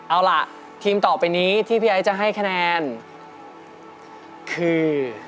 เอาล่ะทีมต่อไปนี้ที่พี่ไอ้จะให้คะแนนคือ